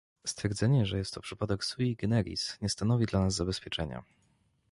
Stwierdzenie, że jest to przypadek sui generis, nie stanowi dla nas zabezpieczenia